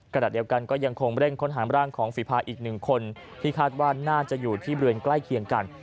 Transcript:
ขณะเดียวกันก็ยังคงเร่งค้นหาร่างของฝีภาอีกหนึ่งคนที่คาดว่าน่าจะอยู่ที่บริเวณใกล้เคียงกัน